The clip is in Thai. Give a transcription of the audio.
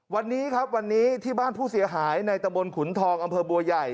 วันนี้ครับวันนี้ที่บ้านผู้เสียหายในตะบนขุนทองอำเภอบัวใหญ่